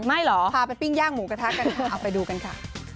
เหรอพาไปปิ้งย่างหมูกระทะกันเถอะเอาไปดูกันค่ะ